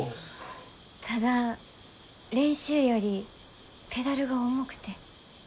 ただ練習よりペダルが重くて。